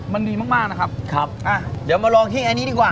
มันดีมากมากนะครับครับอ่ะเดี๋ยวมาลองที่อันนี้ดีกว่า